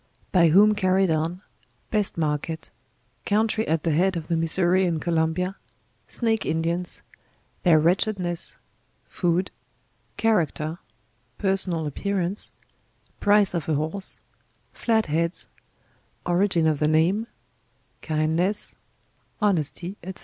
By whom carried on Best market Country at the head of the Missouri and Columbia Snake Indians Their wretch edness Food Character Personal appearance Price of a horse Flat heads Origin of the name Kindness Honesty > fyc.